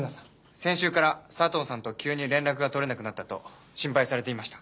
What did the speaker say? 先週から佐藤さんと急に連絡がとれなくなったと心配されていました。